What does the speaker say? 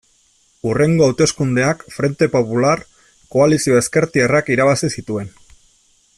Hurrengo hauteskundeak Frente Popular koalizio ezkertiarrak irabazi zituen.